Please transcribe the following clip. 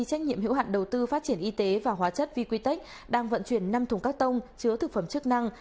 trách nhiệm hữu hạn đầu tư phát triển y tế và hóa chất vqtec đang vận chuyển năm thùng các tông chứa thực phẩm chức năng